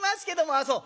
「ああそう。